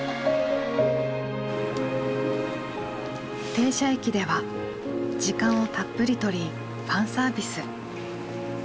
停車駅では時間をたっぷり取りファンサービス。